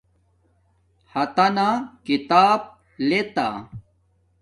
ہاتنا کتاب لتا